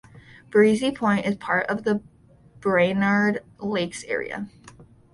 Breezy Point is part of the Brainerd Lakes Area.